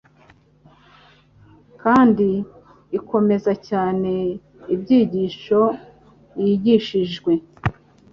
kandi ikomeza cyane ibyigisho yigishijwe.